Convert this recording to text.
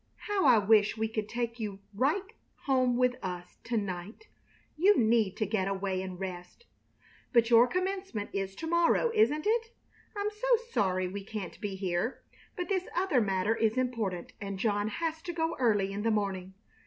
How I wish we could take you right home with us to night. You need to get away and rest. But your Commencement is to morrow, isn't it? I'm so sorry we can't be here, but this other matter is important, and John has to go early in the morning.